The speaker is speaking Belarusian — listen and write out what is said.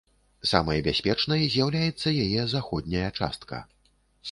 Самай бяспечнай з'яўляецца яе заходняя частка.